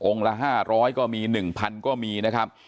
ละ๕๐๐ก็มี๑๐๐ก็มีนะครับ